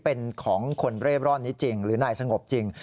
เป็นของคนเร่ร่อนนี้จริงหรือนายสงบจริง